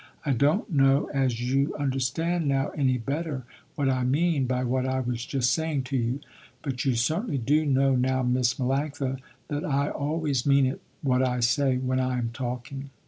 I don't know as you understand now any better what I mean by what I was just saying to you. But you certainly do know now Miss Melanctha, that I always mean it what I say when I am talking."